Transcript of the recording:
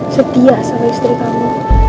setia sama istri kamu